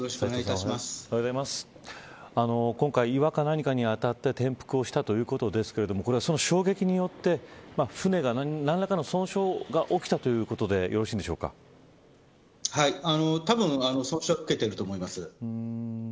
今回、岩か何かに当たって転覆したということですけど衝撃によって舟が何らかの損傷が起きたということでたぶん損傷を受けていると思います。